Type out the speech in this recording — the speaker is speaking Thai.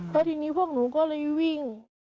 แล้วทีนี้พวกหนูก็เลยวิ่ง